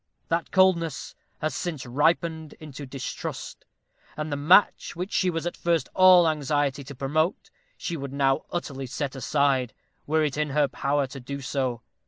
That coldness has since ripened into distrust; and the match which she was at first all anxiety to promote, she would now utterly set aside, were it in her power to do so.